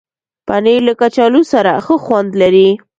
پنېر له کچالو سره ښه خوند لري.